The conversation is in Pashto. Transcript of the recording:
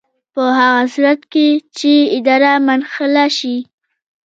په هغه صورت کې چې اداره منحله شي.